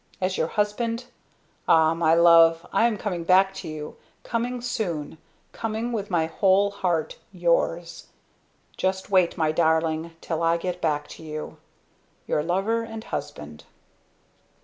As your husband! Ah! my love! I am coming back to you coming soon, coming with my Whole Heart, Yours! Just wait, My Darling, till I get back to you! "Your Lover and Husband."